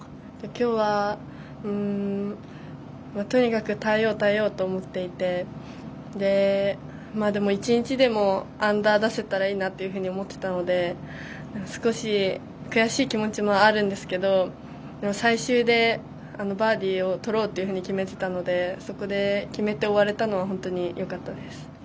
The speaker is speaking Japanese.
今日は、とにかく耐えよう耐えようと思っていて１日でもアンダーを出せたらいいなと思ってたので少し悔しい気持ちもあるんですけど最終でバーディーをとろうと決めてたのでここで決めて終われたのは本当によかったです。